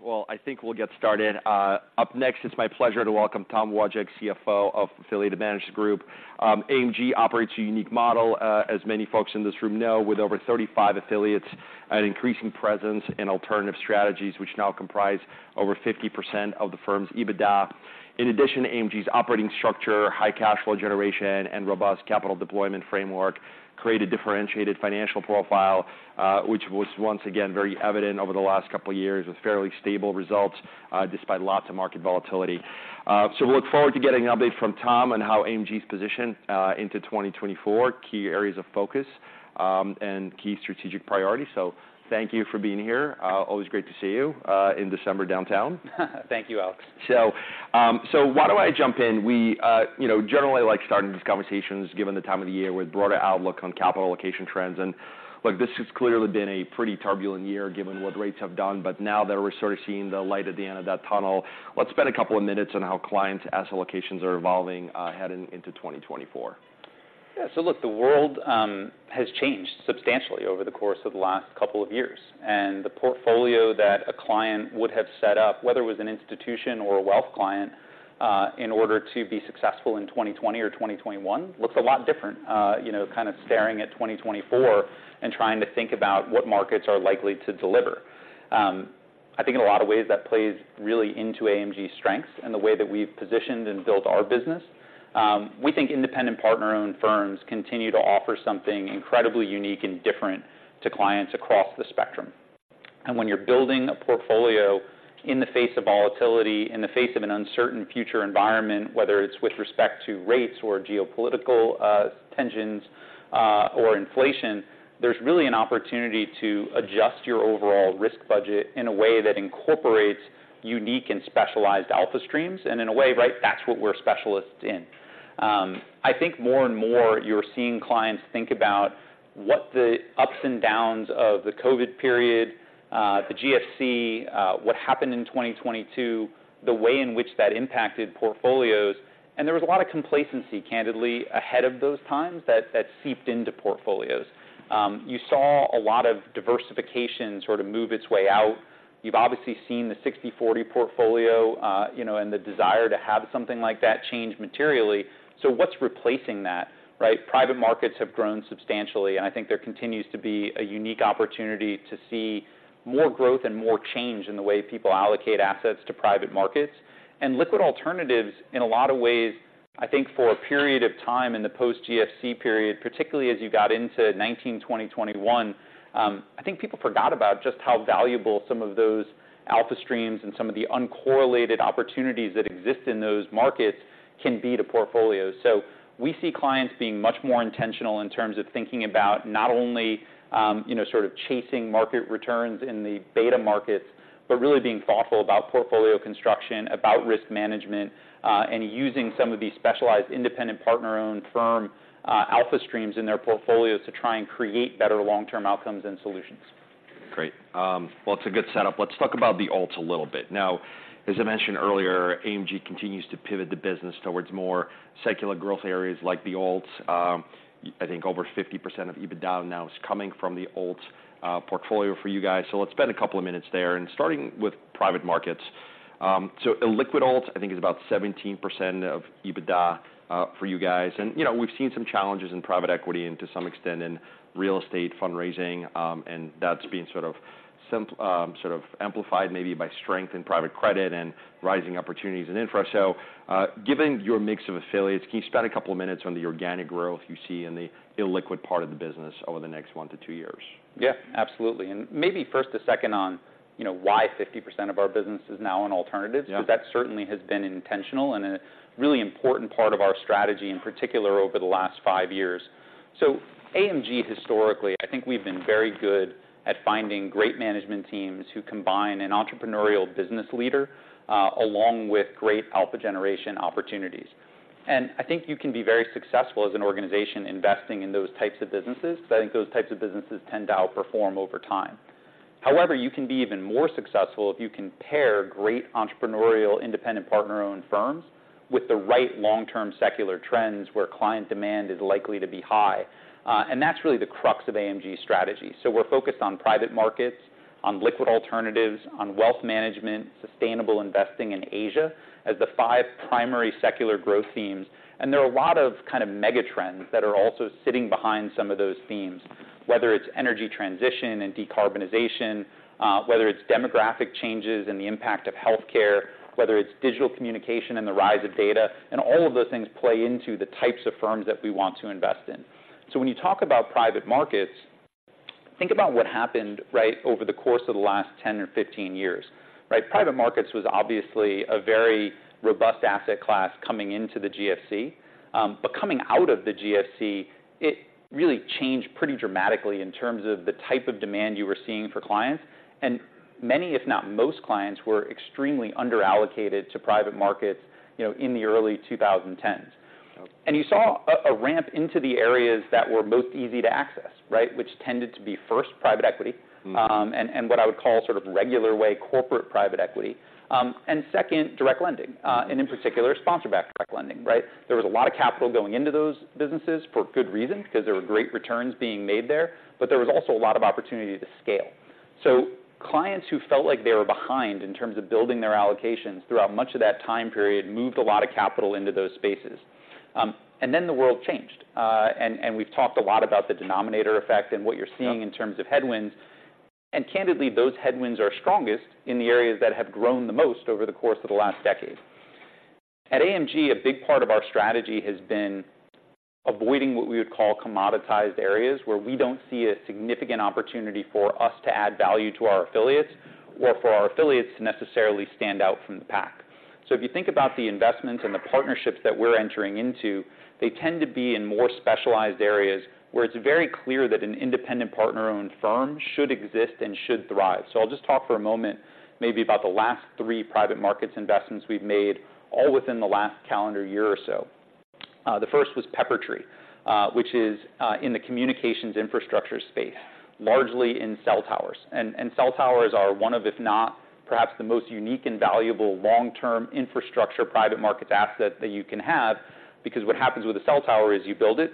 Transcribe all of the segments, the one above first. Well, I think we'll get started. Up next, it's my pleasure to welcome Tom Wojcik, CFO of Affiliated Managers Group. AMG operates a unique model, as many folks in this room know, with over 35 affiliates and increasing presence in alternative strategies, which now comprise over 50% of the firm's EBITDA. In addition to AMG's operating structure, high cash flow generation, and robust capital deployment framework, create a differentiated financial profile, which was once again very evident over the last couple of years, with fairly stable results, despite lots of market volatility. So we look forward to getting an update from Tom on how AMG's positioned, into 2024, key areas of focus, and key strategic priorities. So thank you for being here. Always great to see you, in December downtown. Thank you, Alex. So, why don't I jump in? We, you know, generally, like starting these conversations, given the time of the year, with broader outlook on capital allocation trends, and, look, this has clearly been a pretty turbulent year, given what rates have done, but now that we're sort of seeing the light at the end of that tunnel, let's spend a couple of minutes on how clients' asset allocations are evolving, heading into 2024. Yeah. So look, the world has changed substantially over the course of the last couple of years, and the portfolio that a client would have set up, whether it was an institution or a wealth client, in order to be successful in 2020 or 2021, looks a lot different, you know, kind of staring at 2024 and trying to think about what markets are likely to deliver. I think in a lot of ways, that plays really into AMG's strengths and the way that we've positioned and built our business. We think independent partner-owned firms continue to offer something incredibly unique and different to clients across the spectrum. When you're building a portfolio in the face of volatility, in the face of an uncertain future environment, whether it's with respect to rates or geopolitical tensions, or inflation, there's really an opportunity to adjust your overall risk budget in a way that incorporates unique and specialized alpha streams. In a way, right, that's what we're specialists in. I think more and more you're seeing clients think about what the ups and downs of the COVID period, the GFC, what happened in 2022, the way in which that impacted portfolios, and there was a lot of complacency, candidly, ahead of those times, that, that seeped into portfolios. You saw a lot of diversification sort of move its way out. You've obviously seen the 60/40 portfolio, you know, and the desire to have something like that change materially. So what's replacing that, right? Private markets have grown substantially, and I think there continues to be a unique opportunity to see more growth and more change in the way people allocate assets to private markets. And liquid alternatives, in a lot of ways, I think, for a period of time in the post-GFC period, particularly as you got into 2019-20, 2021, I think people forgot about just how valuable some of those alpha streams and some of the uncorrelated opportunities that exist in those markets can be to portfolios. So we see clients being much more intentional in terms of thinking about not only, you know, sort of chasing market returns in the beta markets, but really being thoughtful about portfolio construction, about risk management, and using some of these specialized independent partner-owned firm, alpha streams in their portfolios to try and create better long-term outcomes and solutions. Great. Well, it's a good setup. Let's talk about the alts a little bit. Now, as I mentioned earlier, AMG continues to pivot the business towards more secular growth areas like the alts. I think over 50% of EBITDA now is coming from the alts portfolio for you guys. So let's spend a couple of minutes there, and starting with private markets. So illiquid alts, I think, is about 17% of EBITDA for you guys. And, you know, we've seen some challenges in private equity and to some extent in real estate fundraising, and that's been sort of amplified maybe by strength in private credit and rising opportunities in infra. So, given your mix of affiliates, can you spend a couple of minutes on the organic growth you see in the illiquid part of the business over the next 1-2 years? Yeah, absolutely. And maybe first, a second on, you know, why 50% of our business is now in alternatives- Yeah... because that certainly has been intentional and a really important part of our strategy, in particular, over the last five years. So AMG, historically, I think we've been very good at finding great management teams who combine an entrepreneurial business leader, along with great alpha generation opportunities. And I think you can be very successful as an organization investing in those types of businesses, because I think those types of businesses tend to outperform over time. However, you can be even more successful if you can pair great entrepreneurial, independent, partner-owned firms with the right long-term secular trends, where client demand is likely to be high. And that's really the crux of AMG's strategy. So we're focused on private markets, on liquid alternatives, on wealth management, sustainable investing in Asia, as the five primary secular growth themes. And there are a lot of kind of mega trends that are also sitting behind some of those themes, whether it's energy transition and decarbonization, whether it's demographic changes and the impact of healthcare, whether it's digital communication and the rise of data, and all of those things play into the types of firms that we want to invest in. So when you talk about private markets, think about what happened, right, over the course of the last 10 or 15 years, right? Private markets was obviously a very robust asset class coming into the GFC. But coming out of the GFC, it really changed pretty dramatically in terms of the type of demand you were seeing for clients. And many, if not most, clients were extremely under-allocated to private markets, you know, in the early 2010s. Okay. And you saw a ramp into the areas that were most easy to access, right? Which tended to be, first, private equity, and what I would call sort of regular way corporate private equity. And second, direct lending, and in particular, sponsor-backed direct lending, right? There was a lot of capital going into those businesses for good reason, because there were great returns being made there, but there was also a lot of opportunity to scale.... So clients who felt like they were behind in terms of building their allocations throughout much of that time period, moved a lot of capital into those spaces. And then the world changed. We've talked a lot about the denominator effect and what you're seeing in terms of headwinds, and candidly, those headwinds are strongest in the areas that have grown the most over the course of the last decade. At AMG, a big part of our strategy has been avoiding what we would call commoditized areas, where we don't see a significant opportunity for us to add value to our affiliates or for our affiliates to necessarily stand out from the pack. So if you think about the investments and the partnerships that we're entering into, they tend to be in more specialized areas, where it's very clear that an independent partner-owned firm should exist and should thrive. So I'll just talk for a moment, maybe about the last three private markets investments we've made, all within the last calendar year or so. The first was Peppertree, which is in the communications infrastructure space, largely in cell towers. And cell towers are one of, if not, perhaps the most unique and valuable long-term infrastructure, private markets asset that you can have, because what happens with a cell tower is you build it,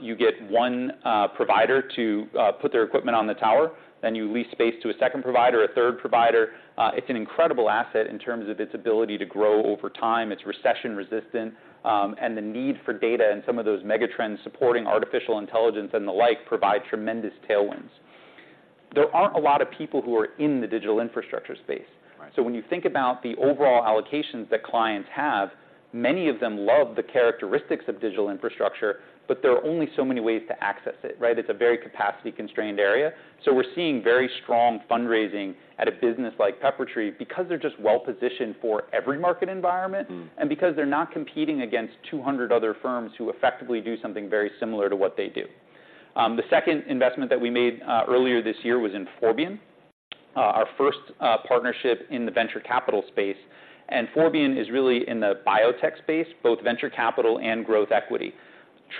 you get one provider to put their equipment on the tower, then you lease space to a second provider, a third provider. It's an incredible asset in terms of its ability to grow over time, it's recession-resistant, and the need for data and some of those megatrends supporting artificial intelligence and the like, provide tremendous tailwinds. There aren't a lot of people who are in the digital infrastructure space. Right. So when you think about the overall allocations that clients have, many of them love the characteristics of digital infrastructure, but there are only so many ways to access it, right? It's a very capacity-constrained area. So we're seeing very strong fundraising at a business like Peppertree, because they're just well positioned for every market environment- Mm. and because they're not competing against 200 other firms who effectively do something very similar to what they do. The second investment that we made earlier this year was in Forbion, our first partnership in the venture capital space. Forbion is really in the biotech space, both venture capital and growth equity.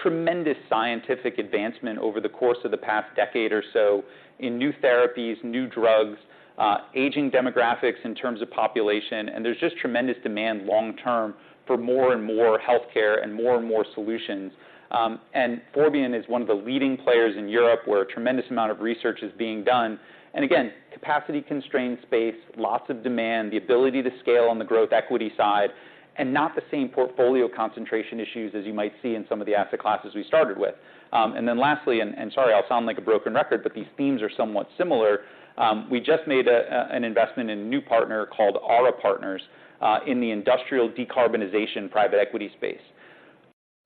Tremendous scientific advancement over the course of the past decade or so in new therapies, new drugs, aging demographics in terms of population, and there's just tremendous demand long term for more and more healthcare and more and more solutions. Forbion is one of the leading players in Europe, where a tremendous amount of research is being done. And again, capacity-constrained space, lots of demand, the ability to scale on the growth equity side, and not the same portfolio concentration issues as you might see in some of the asset classes we started with. And then lastly, sorry, I'll sound like a broken record, but these themes are somewhat similar. We just made an investment in a new partner called Ara Partners, in the industrial decarbonization private equity space.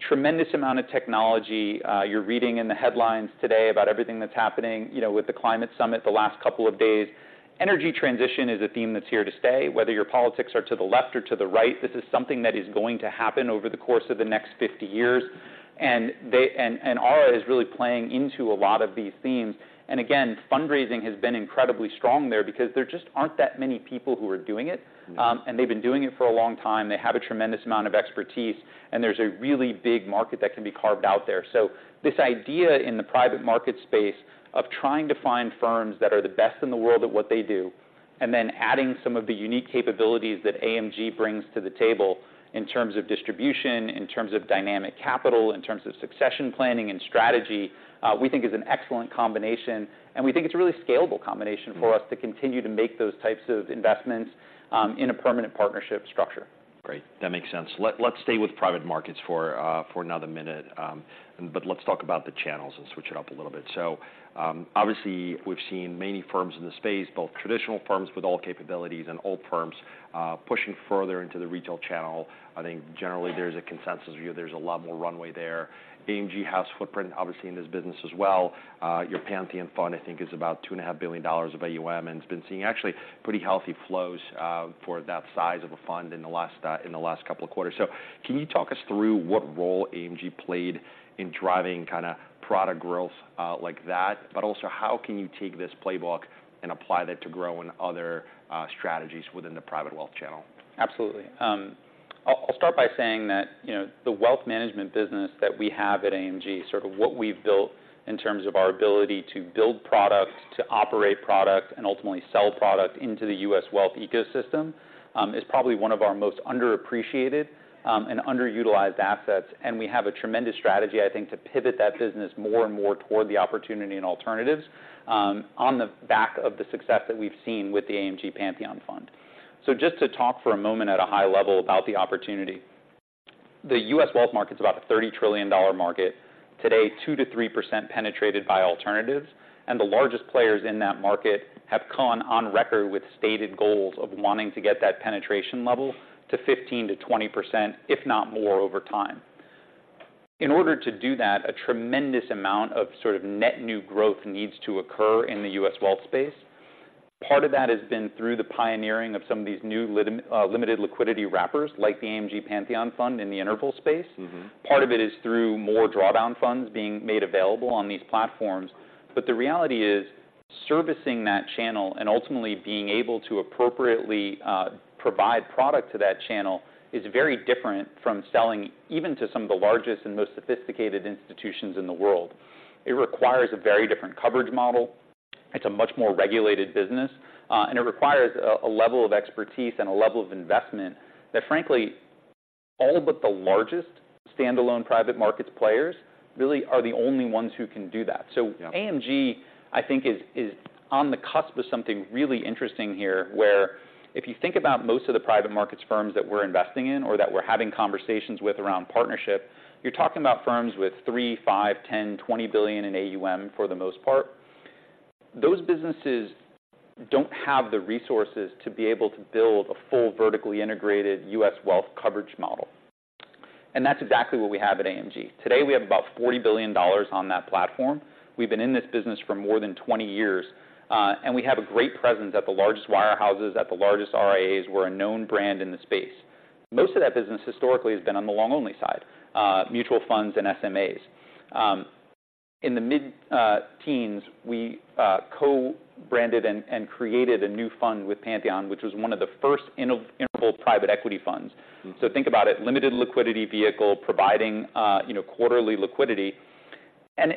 Tremendous amount of technology. You're reading in the headlines today about everything that's happening, you know, with the climate summit the last couple of days. Energy transition is a theme that's here to stay. Whether your politics are to the left or to the right, this is something that is going to happen over the course of the next 50 years. And Ara is really playing into a lot of these themes. And again, fundraising has been incredibly strong there because there just aren't that many people who are doing it. Mm. And they've been doing it for a long time. They have a tremendous amount of expertise, and there's a really big market that can be carved out there. So this idea in the private market space of trying to find firms that are the best in the world at what they do, and then adding some of the unique capabilities that AMG brings to the table in terms of distribution, in terms of dynamic capital, in terms of succession planning and strategy, we think is an excellent combination, and we think it's a really scalable combination- Mm. - for us to continue to make those types of investments in a permanent partnership structure. Great, that makes sense. Let's stay with private markets for another minute, but let's talk about the channels and switch it up a little bit. So, obviously, we've seen many firms in the space, both traditional firms with all capabilities and old firms pushing further into the retail channel. I think generally there's a consensus view. There's a lot more runway there. AMG has footprint, obviously, in this business as well. Your Pantheon fund, I think, is about $2.5 billion of AUM, and it's been seeing actually pretty healthy flows for that size of a fund in the last couple of quarters. So can you talk us through what role AMG played in driving kinda product growth like that? But also, how can you take this playbook and apply that to grow in other strategies within the private wealth channel? Absolutely. I'll start by saying that, you know, the wealth management business that we have at AMG, sort of what we've built in terms of our ability to build product, to operate product, and ultimately sell product into the U.S. wealth ecosystem, is probably one of our most underappreciated and underutilized assets. We have a tremendous strategy, I think, to pivot that business more and more toward the opportunity in alternatives, on the back of the success that we've seen with the AMG Pantheon Fund. So just to talk for a moment at a high level about the opportunity. The U.S. wealth market is about a $30 trillion market. Today, 2%-3% penetrated by alternatives, and the largest players in that market have gone on record with stated goals of wanting to get that penetration level to 15%-20%, if not more, over time. In order to do that, a tremendous amount of sort of net new growth needs to occur in the U.S. wealth space. Part of that has been through the pioneering of some of these new limited liquidity wrappers, like the AMG Pantheon Fund in the interval space. Mm-hmm. Part of it is through more drawdown funds being made available on these platforms. But the reality is, servicing that channel and ultimately being able to appropriately provide product to that channel is very different from selling even to some of the largest and most sophisticated institutions in the world. It requires a very different coverage model. It's a much more regulated business, and it requires a level of expertise and a level of investment that frankly-... Yeah. So AMG, I think, is on the cusp of something really interesting here, where if you think about most of the private markets firms that we're investing in or that we're having conversations with around partnership, you're talking about firms with $3, $5, $10, $20 billion in AUM, for the most part. Those businesses don't have the resources to be able to build a full, vertically integrated U.S. wealth coverage model, and that's exactly what we have at AMG. Today, we have about $40 billion on that platform. We've been in this business for more than 20 years, and we have a great presence at the largest wirehouses, at the largest RIAs. We're a known brand in the space. Most of that business historically has been on the long-only side, mutual funds and SMAs. In the mid-teens, we co-branded and created a new fund with Pantheon, which was one of the first interval private equity funds. Mm-hmm. So think about it, limited liquidity vehicle providing, you know, quarterly liquidity. And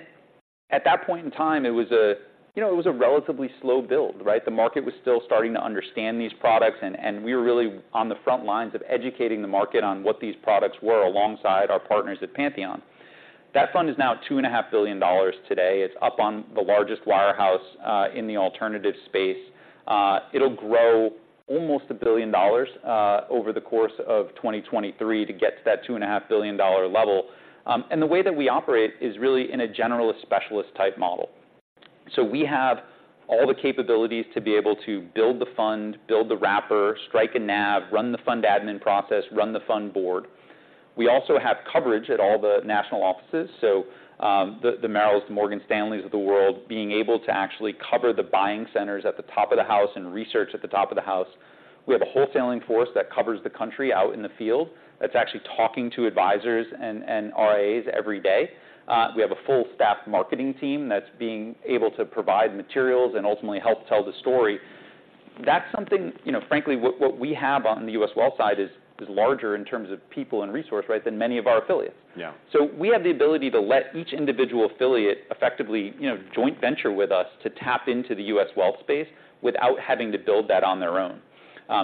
at that point in time, it was a you know, it was a relatively slow build, right? The market was still starting to understand these products, and we were really on the front lines of educating the market on what these products were, alongside our partners at Pantheon. That fund is now $2.5 billion today. It's up on the largest wirehouse in the alternative space. It'll grow almost $1 billion over the course of 2023 to get to that $2.5 billion level. And the way that we operate is really in a generalist specialist type model. So we have all the capabilities to be able to build the fund, build the wrapper, strike a NAV, run the fund admin process, run the fund board. We also have coverage at all the national offices, so, the Merrills, the Morgan Stanleys of the world, being able to actually cover the buying centers at the top of the house and research at the top of the house. We have a wholesaling force that covers the country out in the field, that's actually talking to advisors and RIAs every day. We have a full staff marketing team that's being able to provide materials and ultimately help tell the story. That's something... You know, frankly, what we have on the U.S. wealth side is larger in terms of people and resource, right, than many of our affiliates. Yeah. So we have the ability to let each individual affiliate effectively, you know, joint venture with us to tap into the U.S. wealth space without having to build that on their own.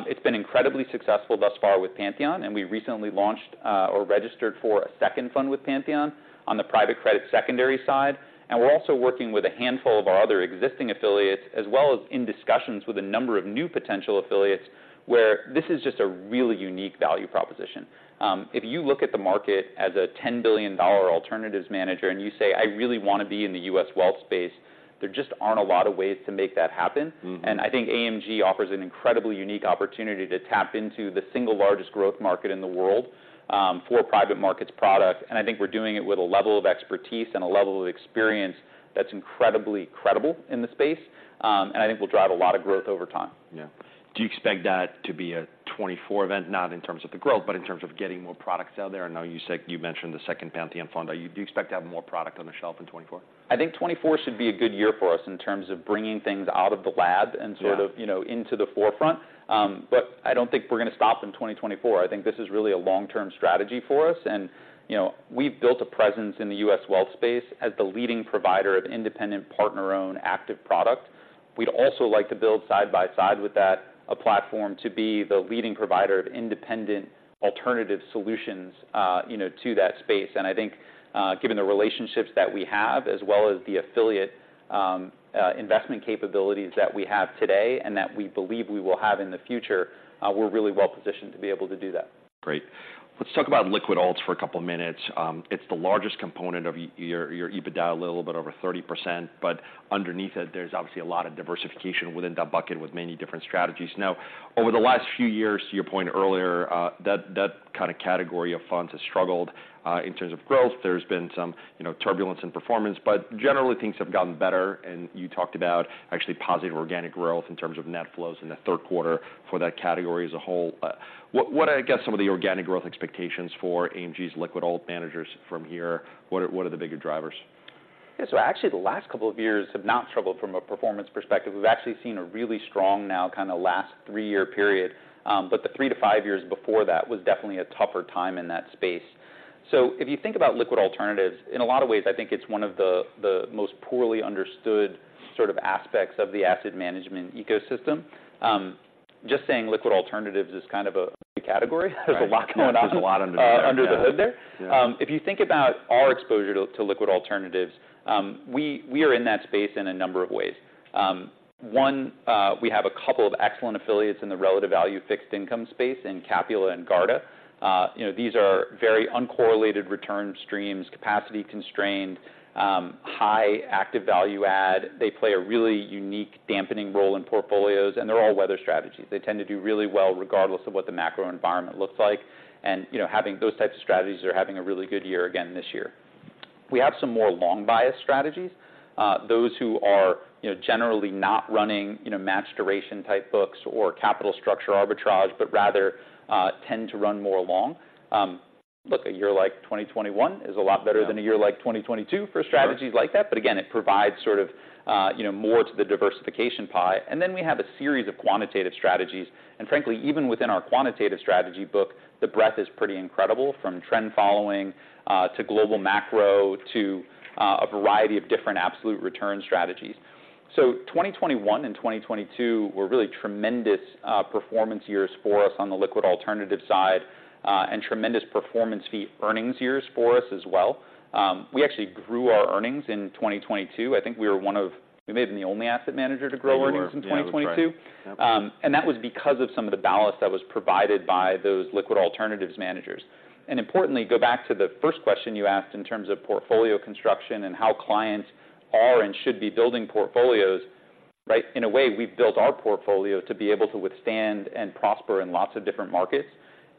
It's been incredibly successful thus far with Pantheon, and we recently launched or registered for a second fund with Pantheon on the private credit secondary side. And we're also working with a handful of our other existing affiliates, as well as in discussions with a number of new potential affiliates, where this is just a really unique value proposition. If you look at the market as a $10 billion alternatives manager, and you say: I really want to be in the U.S. wealth space, there just aren't a lot of ways to make that happen. Mm-hmm. I think AMG offers an incredibly unique opportunity to tap into the single largest growth market in the world for private markets product. I think we're doing it with a level of expertise and a level of experience that's incredibly credible in the space, and I think will drive a lot of growth over time. Yeah. Do you expect that to be a 2024 event? Not in terms of the growth, but in terms of getting more products out there? I know you said, you mentioned the second Pantheon fund. Do you expect to have more product on the shelf in 2024? I think 2024 should be a good year for us in terms of bringing things out of the lab- Yeah... and sort of, you know, into the forefront. But I don't think we're going to stop in 2024. I think this is really a long-term strategy for us. And, you know, we've built a presence in the U.S. wealth space as the leading provider of independent, partner-owned, active product. We'd also like to build side by side with that, a platform to be the leading provider of independent alternative solutions, you know, to that space. And I think, given the relationships that we have, as well as the affiliate investment capabilities that we have today and that we believe we will have in the future, we're really well positioned to be able to do that. Great. Let's talk about liquid alts for a couple of minutes. It's the largest component of your EBITDA, a little bit over 30%, but underneath it, there's obviously a lot of diversification within that bucket with many different strategies. Now, over the last few years, to your point earlier, that kind of category of funds has struggled in terms of growth. There's been some, you know, turbulence in performance, but generally, things have gotten better. And you talked about actually positive organic growth in terms of net flows in the third quarter for that category as a whole. What are, I guess, some of the organic growth expectations for AMG's liquid alt managers from here? What are the bigger drivers? Yeah, so actually, the last couple of years have not struggled from a performance perspective. We've actually seen a really strong now, kind of last 3-year period. But the 3-5 years before that was definitely a tougher time in that space. So if you think about liquid alternatives, in a lot of ways, I think it's one of the most poorly understood sort of aspects of the asset management ecosystem. Just saying liquid alternatives is kind of a category. There's a lot going on- There's a lot under there.... under the hood there. Yeah. If you think about our exposure to liquid alternatives, we are in that space in a number of ways. One, we have a couple of excellent affiliates in the relative value fixed income space, in Capula and Garda. You know, these are very uncorrelated return streams, capacity-constrained, high active value add. They play a really unique dampening role in portfolios, and they're all weather strategies. They tend to do really well, regardless of what the macro environment looks like. And, you know, having those types of strategies, they're having a really good year again this year. We have some more long bias strategies, those who are, you know, generally not running, you know, match duration type books or capital structure arbitrage, but rather, tend to run more long. Look, a year like 2021 is a lot better- Yeah... than a year like 2022 for strategies like that. Sure. But again, it provides sort of, you know, more to the diversification pie. And then we have a series of quantitative strategies. And frankly, even within our quantitative strategy book, the breadth is pretty incredible, from trend following, to global macro, to a variety of different absolute return strategies... So 2021 and 2022 were really tremendous performance years for us on the liquid alternative side, and tremendous performance fee earnings years for us as well. We actually grew our earnings in 2022. I think we were one of—we may have been the only asset manager to grow earnings in 2022. Yeah, that's right. And that was because of some of the ballast that was provided by those liquid alternatives managers. And importantly, go back to the first question you asked in terms of portfolio construction and how clients are and should be building portfolios, right? In a way, we've built our portfolio to be able to withstand and prosper in lots of different markets,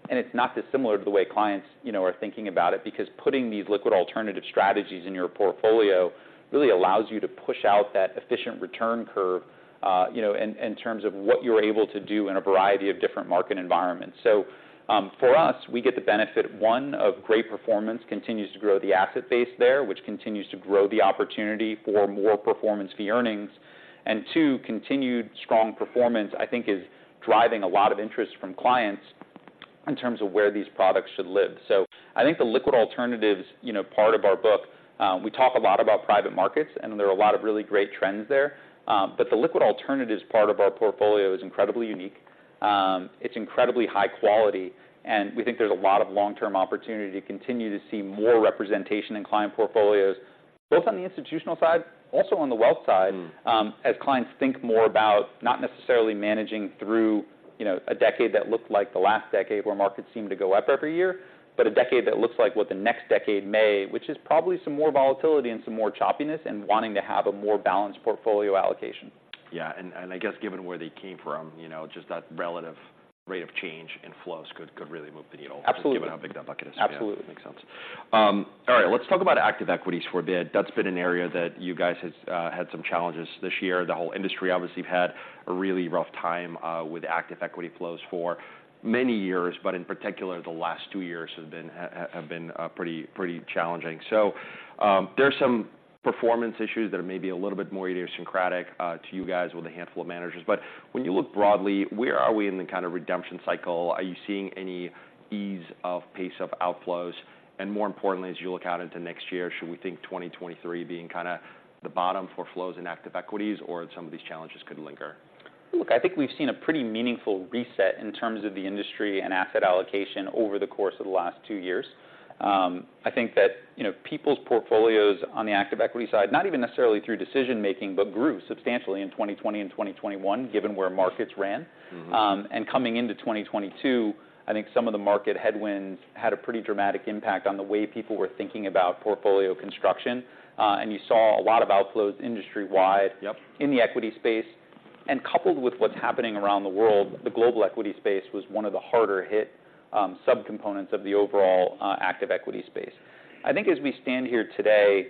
and it's not dissimilar to the way clients, you know, are thinking about it, because putting these liquid alternative strategies in your portfolio really allows you to push out that efficient return curve, you know, in, in terms of what you're able to do in a variety of different market environments. So, for us, we get the benefit, one, of great performance, continues to grow the asset base there, which continues to grow the opportunity for more performance fee earnings. And two, continued strong performance, I think, is driving a lot of interest from clients in terms of where these products should live. So I think the liquid alternatives, you know, part of our book, we talk a lot about private markets, and there are a lot of really great trends there. But the liquid alternatives part of our portfolio is incredibly unique. It's incredibly high quality, and we think there's a lot of long-term opportunity to continue to see more representation in client portfolios, both on the institutional side, also on the wealth side. Mm. as clients think more about not necessarily managing through, you know, a decade that looked like the last decade, where markets seemed to go up every year, but a decade that looks like what the next decade may... which is probably some more volatility and some more choppiness and wanting to have a more balanced portfolio allocation. Yeah, and I guess given where they came from, you know, just that relative rate of change in flows could really move the needle- Absolutely. given how big that bucket is. Absolutely. Makes sense. All right, let's talk about active equities for a bit. That's been an area that you guys has had some challenges this year. The whole industry, obviously, had a really rough time with active equity flows for many years, but in particular, the last two years have been pretty challenging. So, there are some performance issues that are maybe a little bit more idiosyncratic to you guys with a handful of managers. But when you look broadly, where are we in the kind of redemption cycle? Are you seeing any ease of pace of outflows? And more importantly, as you look out into next year, should we think 2023 being kind of the bottom for flows in active equities, or some of these challenges could linger? Look, I think we've seen a pretty meaningful reset in terms of the industry and asset allocation over the course of the last two years. I think that, you know, people's portfolios on the active equity side, not even necessarily through decision-making, but grew substantially in 2020 and 2021, given where markets ran. Mm-hmm. Coming into 2022, I think some of the market headwinds had a pretty dramatic impact on the way people were thinking about portfolio construction. You saw a lot of outflows industry-wide- Yep... in the equity space. Coupled with what's happening around the world, the global equity space was one of the harder hit subcomponents of the overall active equity space. I think as we stand here today,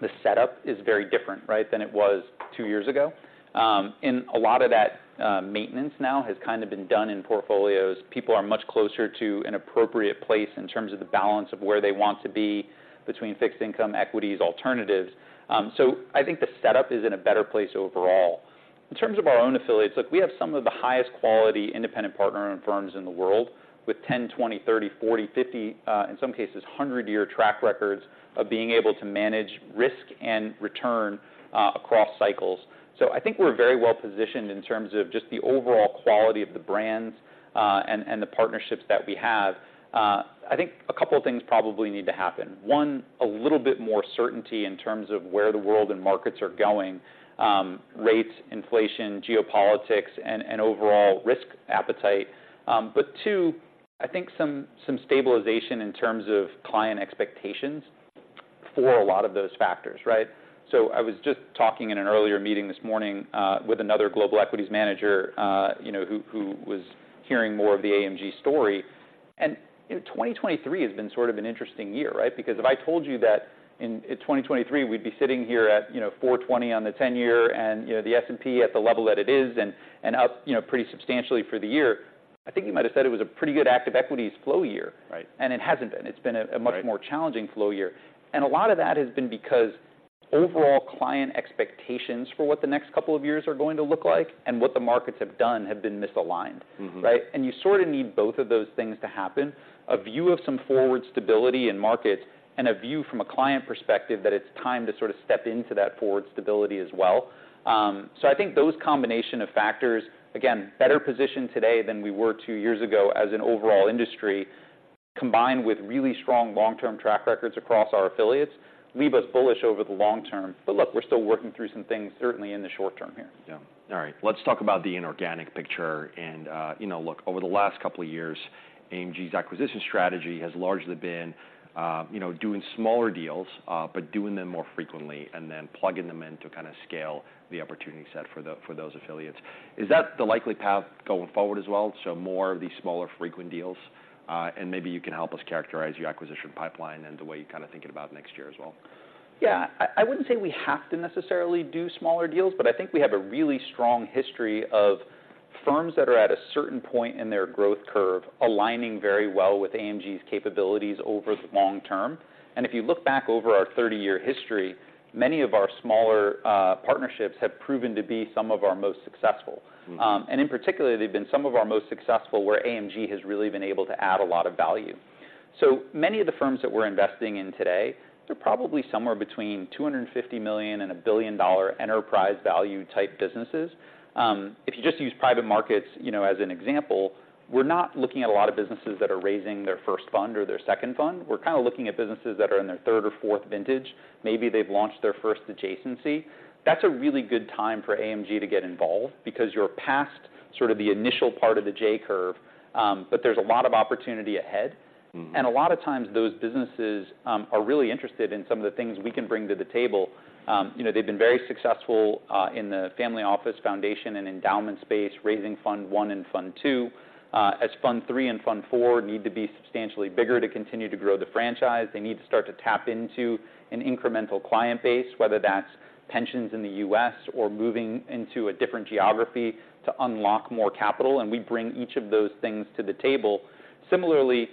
the setup is very different, right, than it was two years ago. And a lot of that maintenance now has kind of been done in portfolios. People are much closer to an appropriate place in terms of the balance of where they want to be between fixed income, equities, alternatives. So I think the setup is in a better place overall. In terms of our own affiliates, look, we have some of the highest quality independent partner-run firms in the world, with 10-, 20-, 30-, 40-, 50-, in some cases, 100-year track records of being able to manage risk and return across cycles. So I think we're very well positioned in terms of just the overall quality of the brands, and the partnerships that we have. I think a couple of things probably need to happen. One, a little bit more certainty in terms of where the world and markets are going, rates, inflation, geopolitics, and overall risk appetite. But two, I think some stabilization in terms of client expectations for a lot of those factors, right? So I was just talking in an earlier meeting this morning, with another global equities manager, you know, who was hearing more of the AMG story. And, you know, 2023 has been sort of an interesting year, right? Because if I told you that in 2023, we'd be sitting here at, you know, 4.20 on the 10-year and, you know, the S&P at the level that it is, and up, you know, pretty substantially for the year, I think you might have said it was a pretty good active equities flow year. Right. And it hasn't been. It's been Right... a much more challenging flow year. And a lot of that has been because overall client expectations for what the next couple of years are going to look like and what the markets have done have been misaligned. Mm-hmm. Right? And you sort of need both of those things to happen: a view of some forward stability in markets and a view from a client perspective that it's time to sort of step into that forward stability as well. So I think those combination of factors, again, better positioned today than we were two years ago as an overall industry, combined with really strong long-term track records across our affiliates, leave us bullish over the long term. But look, we're still working through some things, certainly in the short term here. Yeah. All right, let's talk about the inorganic picture. You know, look, over the last couple of years, AMG's acquisition strategy has largely been, you know, doing smaller deals, but doing them more frequently and then plugging them in to kind of scale the opportunity set for those affiliates. Is that the likely path going forward as well, so more of these smaller, frequent deals? Maybe you can help us characterize your acquisition pipeline and the way you're kind of thinking about next year as well. Yeah. I wouldn't say we have to necessarily do smaller deals, but I think we have a really strong history of firms that are at a certain point in their growth curve, aligning very well with AMG's capabilities over the long term. And if you look back over our 30-year history, many of our smaller partnerships have proven to be some of our most successful. Mm. In particular, they've been some of our most successful, where AMG has really been able to add a lot of value. So many of the firms that we're investing in today, they're probably somewhere between $250 million and $1 billion enterprise value type businesses. If you just use private markets, you know, as an example, we're not looking at a lot of businesses that are raising their first fund or their second fund. We're kind of looking at businesses that are in their third or fourth vintage. Maybe they've launched their first adjacency. That's a really good time for AMG to get involved, because you're past sort of the initial part of the J-curve, but there's a lot of opportunity ahead. Mm-hmm. A lot of times those businesses are really interested in some of the things we can bring to the table. You know, they've been very successful in the family office foundation and endowment space, raising fund one and fund two. As fund three and fund four need to be substantially bigger to continue to grow the franchise, they need to start to tap into an incremental client base, whether that's pensions in the U.S. or moving into a different geography to unlock more capital, and we bring each of those things to the table. Similarly,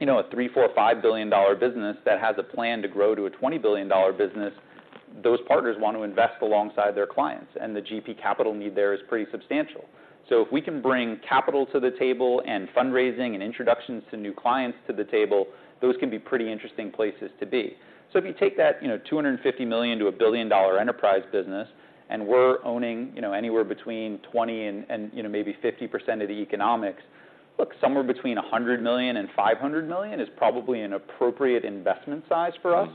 you know, a $3, $4, $5 billion business that has a plan to grow to a $20 billion business, those partners want to invest alongside their clients, and the GP capital need there is pretty substantial. So if we can bring capital to the table and fundraising and introductions to new clients to the table, those can be pretty interesting places to be. So if you take that, you know, $250 million-$1 billion enterprise business, and we're owning, you know, anywhere between 20% and, and, you know, maybe 50% of the economics, look, somewhere between $100 million and $500 million is probably an appropriate investment size for us.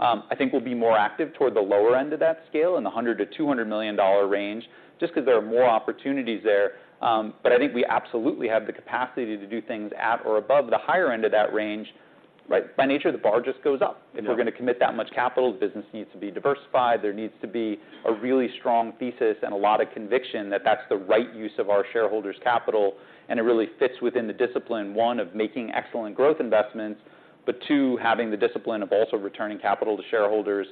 Mm-hmm. I think we'll be more active toward the lower end of that scale, in the $100-200 million range, just 'cause there are more opportunities there. But I think we absolutely have the capacity to do things at or above the higher end of that range. Right. By nature, the bar just goes up. Yeah. If we're gonna commit that much capital, the business needs to be diversified. There needs to be a really strong thesis and a lot of conviction that that's the right use of our shareholders' capital, and it really fits within the discipline, one, of making excellent growth investments, but two, having the discipline of also returning capital to shareholders,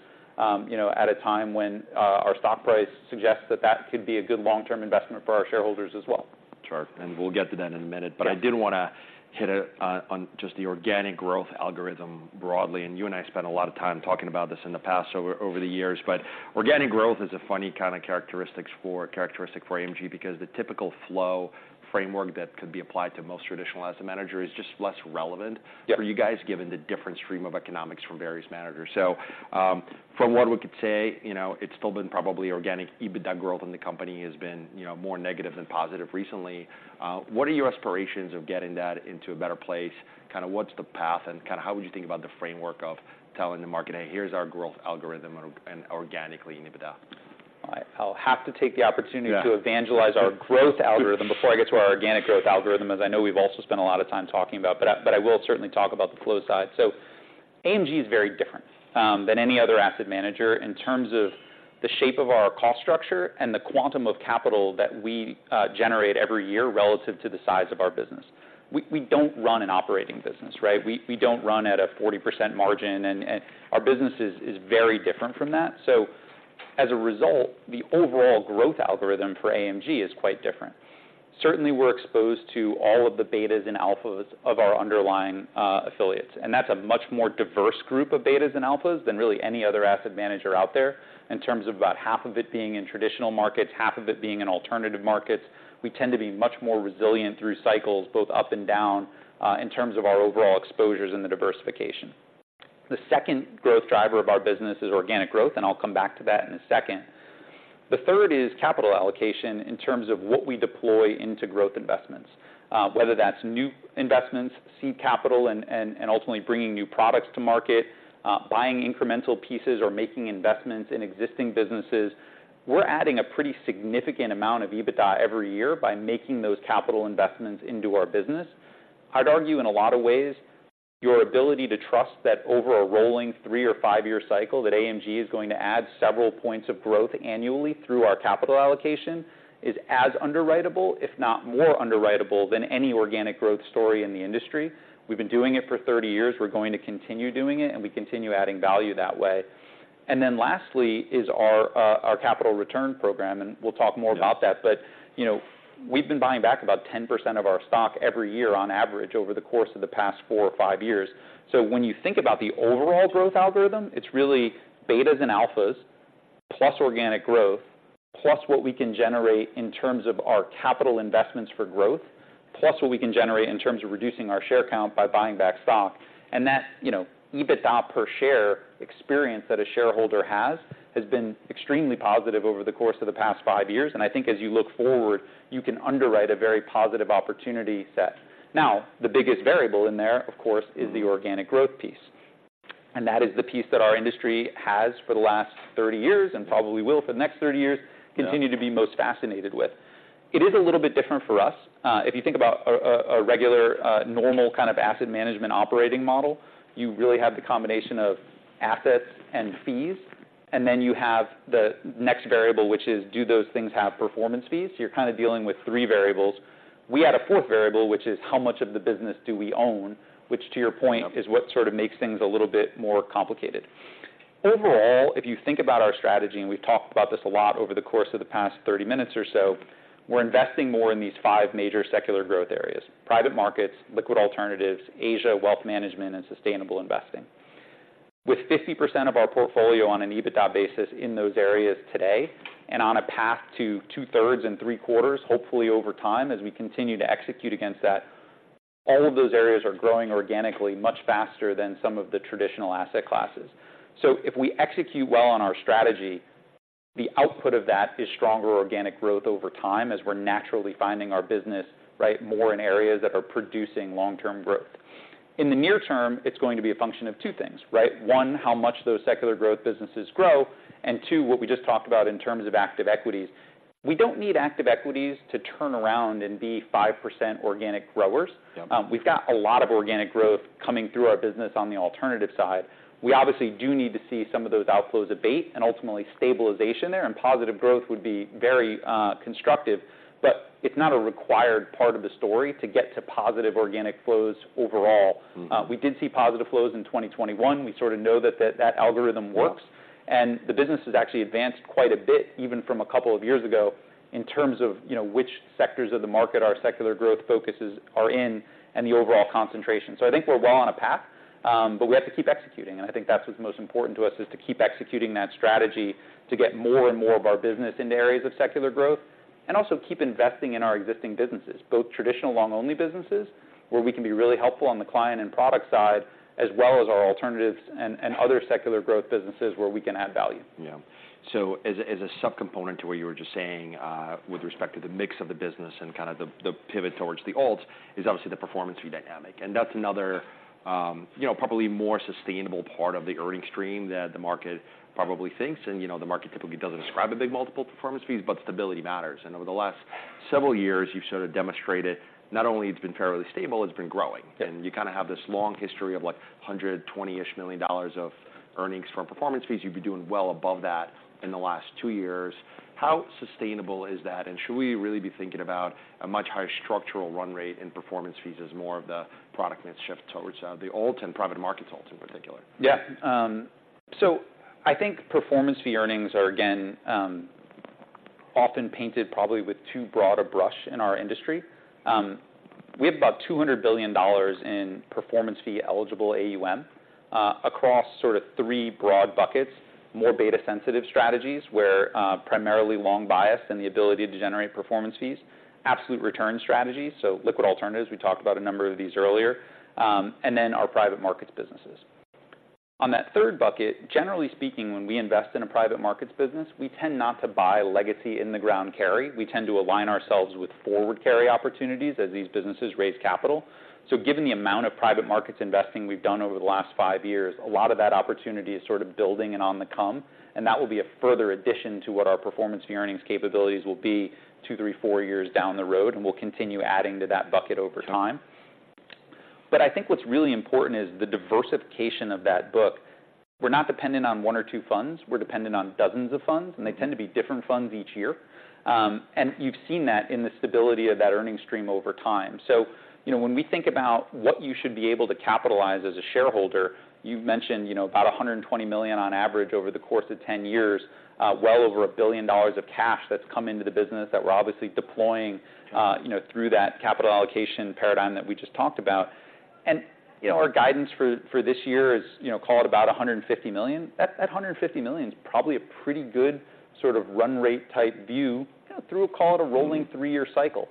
you know, at a time when our stock price suggests that that could be a good long-term investment for our shareholders as well. Sure, and we'll get to that in a minute. Yeah. But I did wanna hit on just the organic growth algorithm broadly, and you and I spent a lot of time talking about this in the past over the years. But organic growth is a funny kind of characteristic for AMG, because the typical flow framework that could be applied to most traditional asset manager is just less relevant- Yeah... for you guys, given the different stream of economics from various managers. So, from what we could say, you know, it's still been probably organic EBITDA growth in the company has been, you know, more negative than positive recently. What are your aspirations of getting that into a better place? Kind of what's the path, and kind of how would you think about the framework of telling the market, "Hey, here's our growth algorithm and, and organically in EBITDA? I'll have to take the opportunity- Yeah To evangelize our growth algorithm before I get to our organic growth algorithm, as I know we've also spent a lot of time talking about. But I, but I will certainly talk about the flow side. So AMG is very different than any other asset manager in terms of the shape of our cost structure and the quantum of capital that we generate every year relative to the size of our business. We, we don't run an operating business, right? We, we don't run at a 40% margin, and, and our business is, is very different from that. So as a result, the overall growth algorithm for AMG is quite different. Certainly, we're exposed to all of the betas and alphas of our underlying affiliates, and that's a much more diverse group of betas and alphas than really any other asset manager out there, in terms of about half of it being in traditional markets, half of it being in alternative markets. We tend to be much more resilient through cycles, both up and down, in terms of our overall exposures and the diversification. The second growth driver of our business is organic growth, and I'll come back to that in a second. The third is capital allocation in terms of what we deploy into growth investments, whether that's new investments, seed capital, and ultimately bringing new products to market, buying incremental pieces or making investments in existing businesses. We're adding a pretty significant amount of EBITDA every year by making those capital investments into our business. I'd argue, in a lot of ways, your ability to trust that over a rolling 3- or 5-year cycle, that AMG is going to add several points of growth annually through our capital allocation is as underwritable, if not more underwritable than any organic growth story in the industry. We've been doing it for 30 years. We're going to continue doing it, and we continue adding value that way. And then lastly is our, our capital return program, and we'll talk more about that. Yeah. But, you know, we've been buying back about 10% of our stock every year on average over the course of the past four or five years. So when you think about the overall growth algorithm, it's really betas and alphas, plus organic growth, plus what we can generate in terms of our capital investments for growth, plus what we can generate in terms of reducing our share count by buying back stock. And that, you know, EBITDA per share experience that a shareholder has, has been extremely positive over the course of the past five years, and I think as you look forward, you can underwrite a very positive opportunity set. Now, the biggest variable in there, of course, is the organic growth piece, and that is the piece that our industry has for the last 30 years, and probably will for the next 30 years- Yeah... continue to be most fascinated with. It is a little bit different for us. If you think about a regular, normal kind of asset management operating model, you really have the combination of assets and fees, and then you have the next variable, which is, do those things have performance fees? You're kind of dealing with three variables. We add a fourth variable, which is: How much of the business do we own? Which, to your point- Yeah... is what sort of makes things a little bit more complicated. Overall, if you think about our strategy, and we've talked about this a lot over the course of the past 30 minutes or so, we're investing more in these 5 major secular growth areas: private markets, liquid alternatives, Asia, wealth management, and sustainable investing.... With 50% of our portfolio on an EBITDA basis in those areas today, and on a path to two-thirds and three-quarters, hopefully over time, as we continue to execute against that, all of those areas are growing organically, much faster than some of the traditional asset classes. So if we execute well on our strategy, the output of that is stronger organic growth over time, as we're naturally finding our business, right, more in areas that are producing long-term growth. In the near term, it's going to be a function of two things, right? One, how much those secular growth businesses grow, and two, what we just talked about in terms of active equities. We don't need active equities to turn around and be 5% organic growers. Yeah. We've got a lot of organic growth coming through our business on the alternative side. We obviously do need to see some of those outflows abate, and ultimately, stabilization there, and positive growth would be very, constructive, but it's not a required part of the story to get to positive organic flows overall. Mm-hmm. We did see positive flows in 2021. We sort of know that that algorithm works. Yeah. The business has actually advanced quite a bit, even from a couple of years ago, in terms of, you know, which sectors of the market our secular growth focuses are in and the overall concentration. So I think we're well on a path, but we have to keep executing. And I think that's what's most important to us, is to keep executing that strategy to get more and more of our business into areas of secular growth, and also keep investing in our existing businesses, both traditional long-only businesses, where we can be really helpful on the client and product side, as well as our alternatives and other secular growth businesses where we can add value. Yeah. So as a subcomponent to what you were just saying, with respect to the mix of the business and kind of the pivot towards the alts, is obviously the performance fee dynamic. And that's another, you know, probably more sustainable part of the earning stream than the market probably thinks. And, you know, the market typically doesn't ascribe a big multiple performance fees, but stability matters. And over the last several years, you've sort of demonstrated not only it's been fairly stable, it's been growing. Yeah. You kind of have this long history of, like, $120-ish million of earnings from performance fees. You've been doing well above that in the last two years. How sustainable is that? Should we really be thinking about a much higher structural run rate in performance fees as more of the product mix shift towards the alts and private market alts, in particular? Yeah. So I think performance fee earnings are, again, often painted probably with too broad a brush in our industry. We have about $200 billion in performance-fee-eligible AUM, across sort of three broad buckets: more beta-sensitive strategies, where primarily long bias and the ability to generate performance fees; absolute return strategies, so liquid alternatives, we talked about a number of these earlier; and then our private markets businesses. On that third bucket, generally speaking, when we invest in a private markets business, we tend not to buy legacy in-the-ground carry. We tend to align ourselves with forward carry opportunities as these businesses raise capital. So given the amount of private markets investing we've done over the last 5 years, a lot of that opportunity is sort of building and on the come, and that will be a further addition to what our performance fee earnings capabilities will be 2, 3, 4 years down the road, and we'll continue adding to that bucket over time. But I think what's really important is the diversification of that book. We're not dependent on one or two funds. We're dependent on dozens of funds, and they tend to be different funds each year. And you've seen that in the stability of that earnings stream over time. So you know, when we think about what you should be able to capitalize as a shareholder, you've mentioned, you know, about $120 million on average over the course of 10 years, well over $1 billion of cash that's come into the business that we're obviously deploying, you know, through that capital allocation paradigm that we just talked about. And, you know, our guidance for, for this year is, you know, call it about $150 million. That, that $150 million is probably a pretty good sort of run rate type view, kind of through, call it, a rolling 3-year cycle.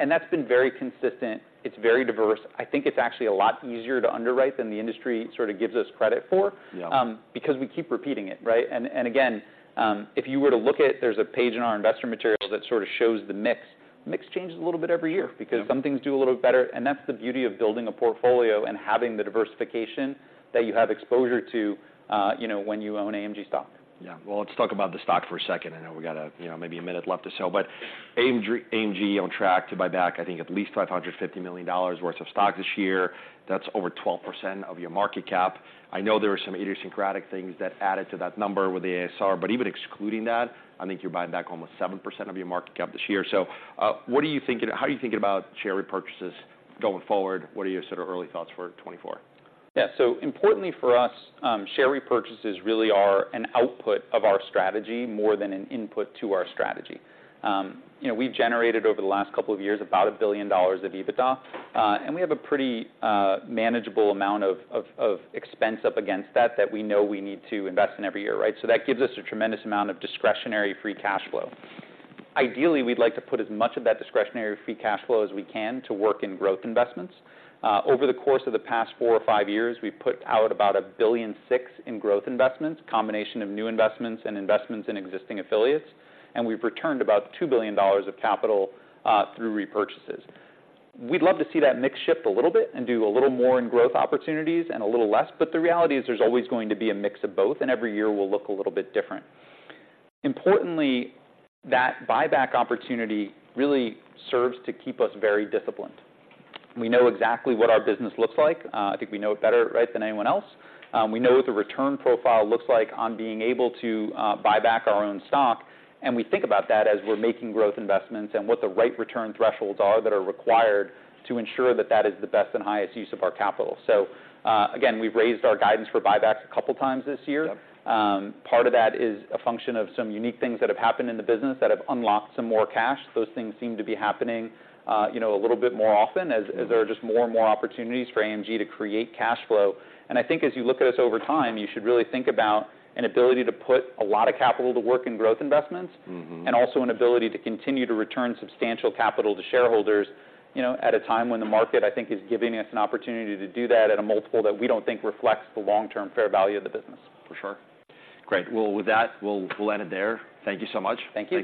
And that's been very consistent. It's very diverse. I think it's actually a lot easier to underwrite than the industry sort of gives us credit for- Yeah... because we keep repeating it, right? And again, if you were to look at... There's a page in our investor material that sort of shows the mix. Mix changes a little bit every year- Yeah... because some things do a little better, and that's the beauty of building a portfolio and having the diversification that you have exposure to, you know, when you own AMG stock. Yeah. Well, let's talk about the stock for a second. I know we got a, you know, maybe a minute left or so. But AMG, AMG on track to buy back, I think, at least $550 million worth of stock this year. That's over 12% of your market cap. I know there are some idiosyncratic things that added to that number with the ASR, but even excluding that, I think you're buying back almost 7% of your market cap this year. So, what are you thinking-how are you thinking about share repurchases going forward? What are your sort of early thoughts for 2024? Yeah. So importantly for us, share repurchases really are an output of our strategy more than an input to our strategy. You know, we've generated, over the last couple of years, about $1 billion of EBITDA, and we have a pretty manageable amount of expense up against that that we know we need to invest in every year, right? So that gives us a tremendous amount of discretionary free cash flow. Ideally, we'd like to put as much of that discretionary free cash flow as we can to work in growth investments. Over the course of the past 4 or 5 years, we've put out about $1.6 billion in growth investments, combination of new investments and investments in existing affiliates, and we've returned about $2 billion of capital through repurchases. We'd love to see that mix shift a little bit and do a little more in growth opportunities and a little less, but the reality is there's always going to be a mix of both, and every year will look a little bit different. Importantly, that buyback opportunity really serves to keep us very disciplined. We know exactly what our business looks like. I think we know it better, right, than anyone else. We know what the return profile looks like on being able to, buy back our own stock, and we think about that as we're making growth investments and what the right return thresholds are that are required to ensure that that is the best and highest use of our capital. So, again, we've raised our guidance for buybacks a couple times this year. Yep. Part of that is a function of some unique things that have happened in the business that have unlocked some more cash. Those things seem to be happening, you know, a little bit more often, as- Mm-hmm... as there are just more and more opportunities for AMG to create cash flow. And I think as you look at us over time, you should really think about an ability to put a lot of capital to work in growth investments- Mm-hmm... and also an ability to continue to return substantial capital to shareholders, you know, at a time when the market, I think, is giving us an opportunity to do that at a multiple that we don't think reflects the long-term fair value of the business. For sure. Great. Well, with that, we'll, we'll end it there. Thank you so much. Thank you.